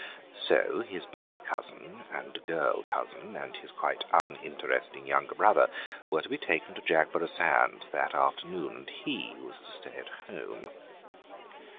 So his boy cousin and girl cousin and his quite uninteresting younger brother were to be taken to Jagborough sands that afternoon and he was to stay at home.